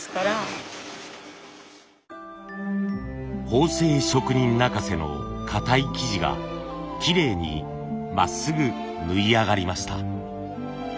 縫製職人泣かせのかたい生地がきれいにまっすぐ縫い上がりました。